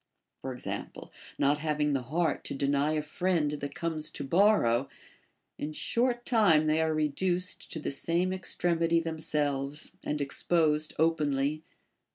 For example, not having the heart to deny a friend that comes to borrow, in short time they are reduced to the same extremity themselves, and exposed openly.